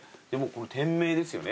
店名ですよね